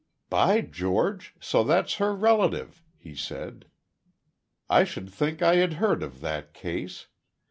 "By George, so that's her relative!" he said. "I should think I had heard of that case.